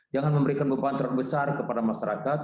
jangan memberikan beban terbesar kepada masyarakat